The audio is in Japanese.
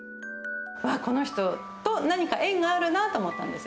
うわっ、この人と何か縁があるなと思ったんですよ。